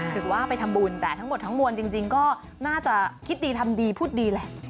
หรือว่าไปทำบุญแต่ทั้งหมดทั้งมวลจริงก็น่าจะคิดดีทำดีพูดดีแหละ